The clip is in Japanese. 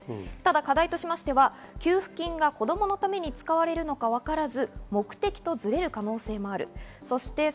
課題としては給付金が子供のために使われるのかわからず目的とズレる可能性もある。